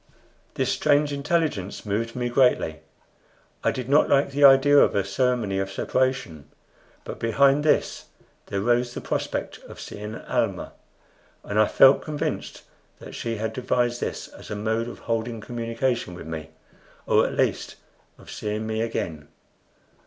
This strange intelligence moved me greatly. I did not like the idea of a ceremony of separation; but behind this there rose the prospect of seeing Almah, and I felt convinced that she had devised this as a mode of holding communication with me, or at least of seeing me again.